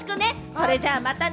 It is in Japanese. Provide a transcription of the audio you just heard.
それじゃまたね！